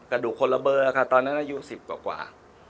กระดูกคนละเบอร์ค่ะตอนนั้นอายุ๑๐กว่า